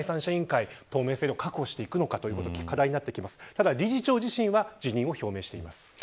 ただ理事長自身は辞任を表明しています。